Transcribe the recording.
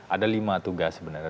ada lima tugas sebenarnya